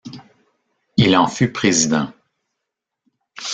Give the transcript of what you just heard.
Il en fut Président.